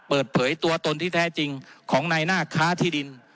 เปิดเผยตัวตนที่แท้จริงของนายหน้าค้าที่ดิน